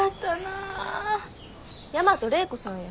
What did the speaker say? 大和礼子さんや。